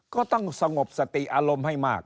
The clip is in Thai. ก็ต้องสงบสติอารมณ์ให้มาก